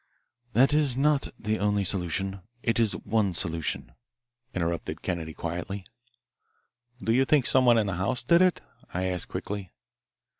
"That is not the only solution. It is one solution," interrupted Kennedy quietly. "Do you think someone in the house did it?" I asked quickly.